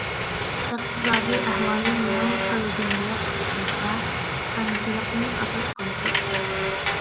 ئىقتىسادى ئەھۋالى يېڭى كالېدونىيە ئىقتىسادتا كانچىلىقنى ئاساس قىلىدۇ.